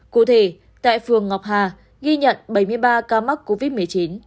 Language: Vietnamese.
cụ thể tại phường ngọc hà ghi nhận bảy mươi ba ca mắc covid một mươi chín